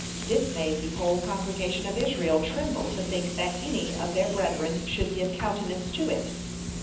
This made the whole congregation of Israel tremble to think that any of their brethren should give countenance to it.